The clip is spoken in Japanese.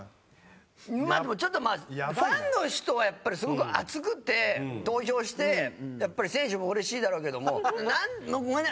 まあでもちょっとファンの人はやっぱりすごく熱くて投票してやっぱり選手もうれしいだろうけどもごめんね